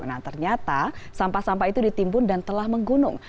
nah ternyata sampah sampah itu ditimbun dan telah menggunung